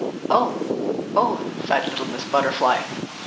"Oh—oh!" sighed little Miss Butterfly.